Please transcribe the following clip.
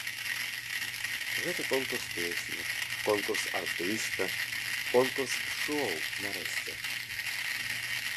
Гэта конкурс песні, конкурс артыста, конкурс шоу, нарэшце.